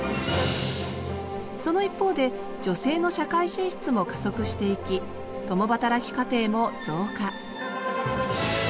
その一方で女性の社会進出も加速していき共働き家庭も増加